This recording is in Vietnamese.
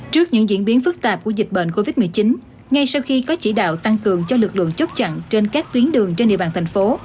trước những diễn biến phức tạp của dịch bệnh covid một mươi chín ngay sau khi có chỉ đạo tăng cường cho lực lượng chốt chặn trên các tuyến đường trên địa bàn thành phố